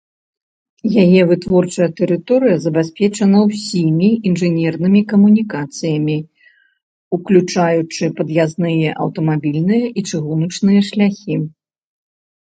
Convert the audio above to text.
Яе вытворчая тэрыторыя забяспечана ўсімі інжынернымі камунікацыямі, уключаючы пад'язныя аўтамабільныя і чыгуначныя шляхі.